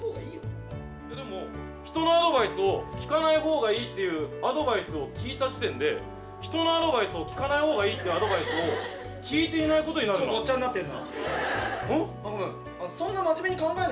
人のアドバイスを聞かないほうがいいっていうアドバイスを聞いた時点で、人のアドバイスを聞かないほうがいいっていうアドバごっちゃになってるな。